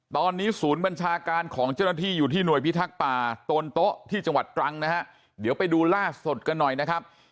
ตอนนี้ศูนย์บัญชาการของเจ้าหน้าที่อยู่ที่หน่วยพิทักษ์ป่าโตนโต๊ะที่จังหวัดตรังนะฮะเดี๋ยวไปดูล่าสุดกันหน่อยนะครับ